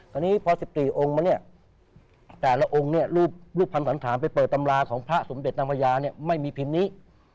ตอนนี้พอ๑๔องค์มาเนี่ยแต่ละองค์เนี่ยรูปภัณฑ์สันธารไปเปิดตำราของพระสมเด็จนางพญาเนี่ยไม่มีพิมพ์นี้